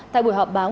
tại buổi họp báo